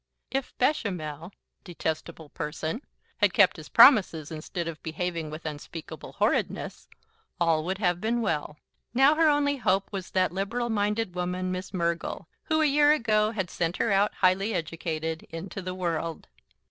If Bechamel (detestable person) had kept his promises, instead of behaving with unspeakable horridness, all would have been well. Now her only hope was that liberal minded woman, Miss Mergle, who, a year ago, had sent her out, highly educated, into the world.